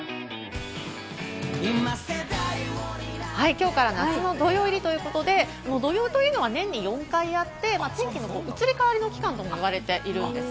きょうから夏の土用の入りということで、土用というのは年に４回あって、天気の移り変わりの期間とも言われているんです。